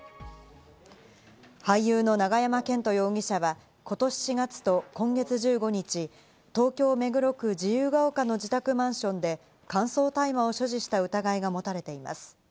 俳優の永山絢斗容疑者は今年４月と今月１５日、東京・目黒区自由が丘の自宅マンションで、乾燥大麻を所持した疑いが持たれています。